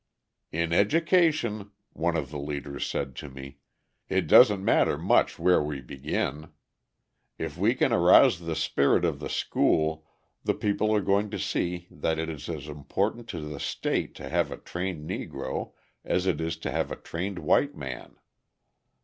"In education," one of the leaders said to me, "it doesn't matter much where we begin. If we can arouse the spirit of the school, the people are going to see that it is as important to the state to have a trained Negro as it is to have a trained white man."